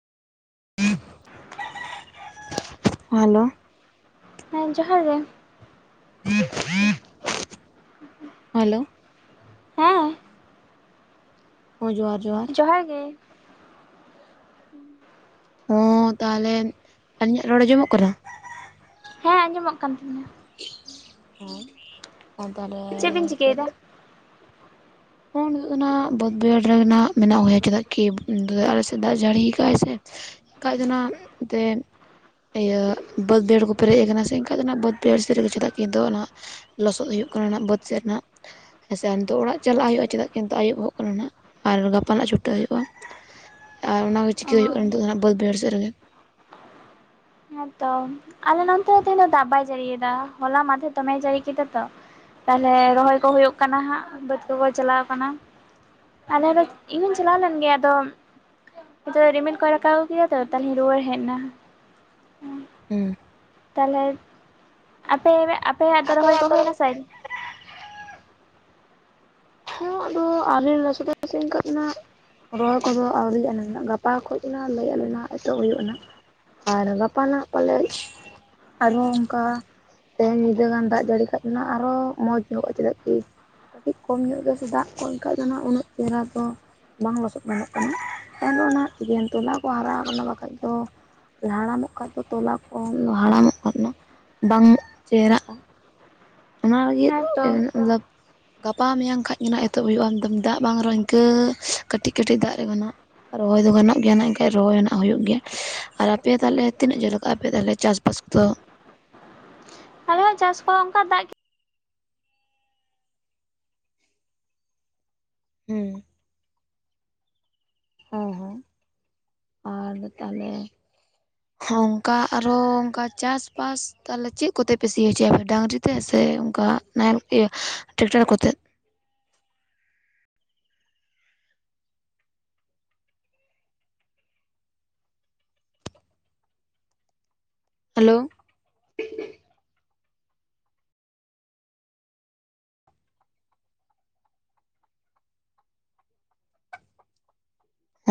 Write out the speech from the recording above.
Hello ᱦᱮᱸ ᱡᱚᱦᱟᱨ ᱜᱮ ᱦᱮᱞᱳ ᱦᱮᱸ [inaudible] ᱦᱚᱭ ᱡᱚᱦᱟᱨ ᱡᱚᱦᱟᱨ ᱡᱚᱦᱟᱮ ᱜᱮ ᱦᱚᱸ ᱛᱟᱦᱚᱞᱮ ᱟᱹᱞᱤᱧᱟᱜ ᱨᱚᱲ ᱟᱸᱡᱚᱢᱚᱜ ᱠᱟᱱᱟ ᱦᱮᱸ ᱟᱸᱡᱚᱢᱚᱜ ᱠᱟᱱ ᱛᱤᱧᱟᱹ ᱦᱮᱸ ᱛᱟᱦᱚᱞᱮ ᱵᱤᱱ ᱪᱮᱫ ᱪᱤᱠᱟᱹᱭᱮᱫᱟ ᱦᱩᱭᱩᱜ ᱠᱟᱱᱟ ᱵᱟᱹᱫᱽ ᱵᱟᱹᱭᱦᱟᱲ ᱨᱮᱱᱟᱜ ᱢᱮᱱᱟᱜ ᱦᱩᱭᱩᱜᱭᱟ ᱪᱮᱫᱟᱜ ᱠᱤ ᱟᱞᱮ ᱥᱮᱫ ᱫᱟᱜ ᱡᱟᱹᱲᱤ ᱠᱟᱜ ᱟᱭ ᱥᱮ [unintelligible] ᱛᱮ ᱤᱭᱟᱹ ᱵᱟᱹᱫᱽ ᱵᱟᱹᱭᱦᱟ. ᱲ ᱠᱚ ᱯᱮᱨᱮᱡ ᱠᱟᱱᱟ ᱥᱮ ᱮᱱᱠᱷᱟ ᱫᱚ ᱵᱟᱹᱫᱽ ᱵᱮᱲ ᱥᱮᱫ ᱨᱮᱜᱮ ᱪᱮᱫᱟᱜ ᱠᱤ ᱱᱤᱛᱚᱜ ᱱᱚᱣᱟ ᱞᱚᱥᱚᱫ ᱦᱩᱭᱩᱜ ᱠᱟᱱᱟ ᱱᱟᱦᱟᱜᱵᱟᱹᱫᱽ ᱥᱮᱫ ᱨᱮ ᱱᱟᱦᱟᱜ ᱦᱮᱸ ᱥᱮ ᱟᱨ ᱱᱤᱛᱚᱜ ᱚᱲᱟᱜ ᱪᱟᱞᱟᱜ ᱦᱩᱭᱩᱜᱼᱟ ᱪᱮᱫᱟᱜ ᱠᱤᱱᱛᱩ ᱟᱹᱭᱩᱵᱚᱜ ᱠᱟᱱᱟ ᱱᱟ ᱟᱨ ᱜᱟᱯᱟ ᱦᱟᱜ ᱪᱷᱩᱴᱟᱹᱜ ᱦᱩᱭᱩᱜᱼᱟ ᱟᱨ ᱚᱱᱟᱜᱮ ᱚ ᱪᱤᱠᱟᱹ ᱦᱩᱭᱩᱜ ᱠᱟᱱᱟ ᱱᱤᱛᱚᱜ ᱫᱚ ᱦᱟᱜ ᱵᱟᱹᱭᱦᱟᱹᱲ ᱥᱮᱫ ᱨᱮᱜᱮ ᱦᱮᱸᱛᱚ ᱟᱞᱮ ᱱᱚᱱᱛᱮ ᱫᱚ ᱛᱤᱱᱟᱹᱜ ᱫᱟᱜ ᱵᱟᱭ ᱡᱟᱹᱲᱤᱭᱟ ᱦᱚᱞᱟ ᱢᱟᱫᱷᱮᱨ ᱫᱚᱢᱮ ᱡᱟᱹᱲᱤ ᱠᱮᱫᱟ ᱛᱚ ᱛᱟᱦᱞᱮ ᱨᱚᱦᱚᱭ ᱠᱚ ᱦᱩᱭᱩᱜ ᱠᱟᱱᱟ ᱦᱟᱸᱜ ᱵᱟᱹᱫᱽ ᱠᱚᱠᱚ ᱪᱟᱞᱟᱣ ᱠᱟᱱᱟ ᱟᱞᱮ ᱨᱮᱱ ᱤᱧ ᱦᱚᱸᱧ ᱪᱟᱞᱟᱣ ᱞᱮᱱ ᱜᱮᱭᱟ ᱟᱫᱚ ᱟᱫᱚ ᱨᱤᱢᱤᱞ ᱠᱚᱭ ᱨᱟᱠᱟᱵ ᱟ. ᱜᱩ ᱠᱮᱫᱟ ᱛᱚ ᱛᱟᱦᱚᱞᱮᱧ ᱨᱩᱣᱟᱹᱲ ᱦᱮᱡ ᱮᱱᱟ ᱦᱮᱸ ᱦᱩᱸ ᱛᱟᱦᱚᱞᱮ ᱟᱯᱮ ᱟᱯᱮᱭᱟᱜ ᱫᱚ ᱨᱚᱦᱚᱭ ᱠᱚ ᱦᱩᱭᱱᱟ ᱥᱮ ᱟᱣᱨᱤ ᱦᱮᱸ ᱟᱫᱚ [unintelligible] ᱨᱚᱭ ᱠᱚᱫᱚ ᱟᱹᱣᱨᱤᱟᱹᱭ ᱟᱞᱱᱟ ᱜᱟᱯᱟ ᱠᱷᱚᱱ ᱞᱟᱹᱭ ᱟ ᱞᱮᱱᱟ ᱮᱛᱚᱦᱚᱵ ᱦᱩᱭᱩᱜᱼᱟᱱᱟ ᱟᱨ ᱜᱟᱯᱟ ᱯᱟᱞᱮᱫ ᱟᱨᱦᱚᱸ ᱚᱱᱠᱟ ᱛᱮᱦᱮᱧ ᱧᱤᱫᱟᱹ ᱜᱟᱱ ᱫᱟᱜ ᱡᱟᱹᱲᱤ ᱠᱷᱟᱡ ᱫᱚ ᱟᱨᱚ ᱢᱚᱡᱽ ᱧᱚᱜᱚᱜᱼᱟ ᱪᱮᱫᱟᱜ ᱠᱤ ᱠᱟᱹᱴᱤᱡ ᱠᱚᱢ ᱧᱚᱜ ᱜᱮᱥ ᱫᱟᱜ ᱠᱚᱱᱠᱟᱱ ᱫᱚ ᱦᱜ ᱩᱱᱟᱹᱜ ᱪᱮᱦᱨᱟ ᱫᱚ ᱵᱟᱝ ᱞᱚᱥᱚᱫ ᱜᱟᱱᱚᱜ ᱠᱟᱱᱟ ᱮ ᱫᱚ ᱚᱱᱟ ᱡᱱ ᱴᱚᱞᱟ ᱠᱚ ᱦᱟᱨᱟ ᱠᱟᱱᱟ ᱵᱟᱠᱷᱟᱡ ᱫᱚ ᱦᱟᱲᱟᱢᱚᱜ ᱠᱷᱟᱡ ᱫᱚ ᱛᱚᱞᱟ ᱠᱚ ᱦᱟᱲᱟᱢᱚᱜ ᱵᱟᱝ ᱪᱮᱦᱨᱟᱜᱼᱟ ᱚᱱᱟ ᱞᱟᱹᱜᱤᱫ ᱦᱮᱸ ᱛᱚ ᱤᱭᱟ. ᱞᱟ. ᱠ ᱜᱟᱯᱟ ᱢᱮᱭᱟᱝ ᱠᱷᱟᱡ ᱜᱮᱱᱟᱜ ᱮᱛᱚᱦᱚᱵ ᱦᱩᱭᱩᱜᱼᱟ ᱮᱠᱫᱚᱢ ᱫᱟᱜ ᱵᱟᱝ ᱨᱮᱦᱚᱸ ᱤᱱᱠᱟᱹ ᱠᱟᱹᱴᱤᱡ ᱠᱟᱹᱴᱤᱡ ᱫᱟᱜ ᱨᱮ ᱜᱟᱱᱚᱜ ᱨᱚᱦᱚᱭ ᱫᱚ ᱜᱟᱱᱚᱜ ᱜᱮᱭᱟ ᱱᱟᱜ ᱨᱚᱦᱚᱭ ᱱᱟᱜ ᱦᱩᱭᱩᱜ ᱜᱮᱭᱟ ᱟᱨ ᱟᱯᱮ ᱛᱟᱦᱮ ᱛᱤᱱᱟᱹᱜ ᱡᱷᱟ. ᱞ ᱠᱟᱜᱼᱟ ᱟᱯᱮ ᱛᱟᱦᱚᱞᱮ ᱪᱟᱥ [unintelligible] ᱟᱞᱮ ᱦᱚᱸᱚᱸ ᱪᱟᱥ ᱠᱚ ᱚᱱᱠᱟ ᱫᱟᱜ ᱜᱮ ᱦᱩᱸ ᱦᱚᱸ ᱦᱚᱸ ᱟ [unintelligible] ᱟᱨ ᱛᱟᱦᱚᱞᱮ ᱦ [unintelligible] ᱚᱱᱠᱟ ᱟᱨᱦᱚ ᱚᱱᱠᱟ ᱪᱟᱥᱵᱟᱥ ᱛᱟᱦᱚᱞᱮ ᱪᱮᱫ ᱠᱚᱛᱮᱯᱮ ᱥᱤ ᱦᱚᱪᱚᱭᱟᱮ ᱰᱟᱝᱨᱤ ᱛᱮ ᱥᱮ ᱚᱱᱠᱟ ᱱᱟᱦᱮᱞ ᱛᱮ ᱴᱟᱠᱴᱟᱨ ᱠᱚᱛᱮ ᱦᱮᱞᱳ